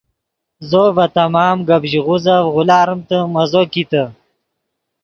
زو ڤے تمام گپ ژیغوزف غولاریمتے مزو کیتے